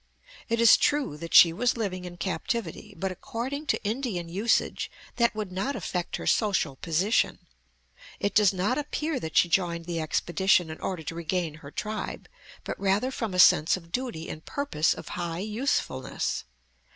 It is true that she was living in captivity, but according to Indian usage that would not affect her social position. It does not appear that she joined the expedition in order to regain her tribe, but rather from a sense of duty and purpose of high usefulness.